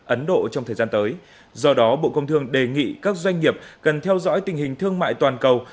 ấn độ trong thời gian tới do đó bộ công thương đề nghị các doanh nghiệp cần theo dõi tình hình thương mại toàn cầu